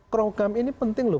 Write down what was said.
program ini penting loh